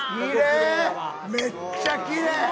めっちゃきれい！